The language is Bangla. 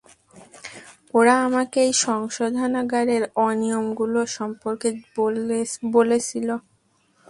ওরা আমাকে এই সংশোধনাগারের অনিয়মগুলো সম্পর্কে বলেছিলো।